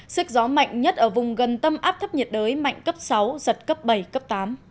sức gió mạnh nhất ở vùng gần tâm áp thấp nhiệt đới mạnh cấp sáu giật cấp bảy cấp tám